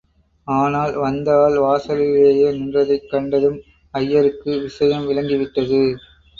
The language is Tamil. ஆனால் வந்த ஆள் வாசலிலேயே நின்றதைக் கண்டதும் ஐயருக்கு விஷயம் விளங்கிவிட்டது.